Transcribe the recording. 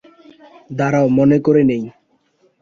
দাঁড়াও মনে করে নেই।